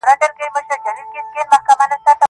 په دې پوهېږمه چي ستا د وجود سا به سم.